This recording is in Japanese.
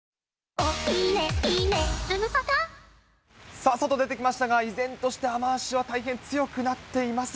さあ、外出てきましたが、依然として雨足は大変強くなっています。